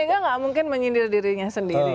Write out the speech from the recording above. yang jelas bu mega gak mungkin menyindir dirinya sendiri